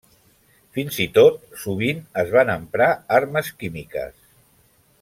Fins i tot, sovint es van emprar armes químiques.